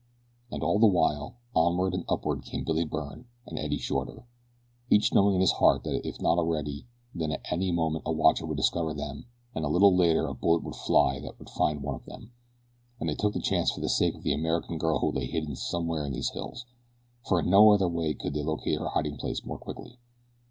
And all the while, onward and upward came Billy Byrne and Eddie Shorter, each knowing in his heart that if not already, then at any moment a watcher would discover them and a little later a bullet would fly that would find one of them, and they took the chance for the sake of the American girl who lay hidden somewhere in these hills, for in no other way could they locate her hiding place more quickly.